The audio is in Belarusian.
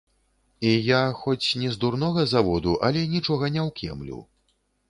І я, хоць не з дурнога заводу, але нічога не ўкемлю.